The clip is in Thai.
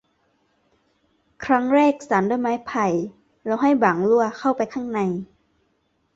ครั้งแรกสานด้วยไม้ไผ่ แล้วให้บ่างลั่วเข้าไปข้างใน